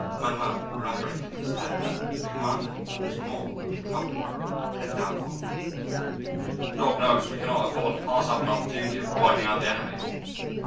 Manuel corroborated his tale. The commander was more than troubled and doubtful. "God knows we cannot afford to pass up an opportunity of wiping out the enemy.